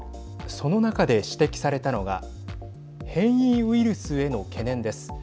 その中で指摘されたのが変異ウイルスへの懸念です。